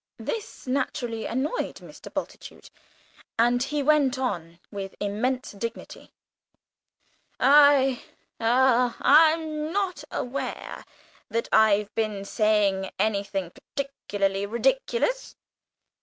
This naturally annoyed Mr. Bultitude, and he went on with immense dignity, "I ah I'm not aware that I've been saying anything particularly ridiculous.